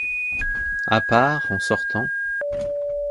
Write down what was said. À part, en sortant.